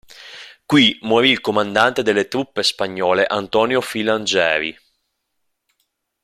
Qui morì il comandante delle truppe spagnole Antonio Filangeri.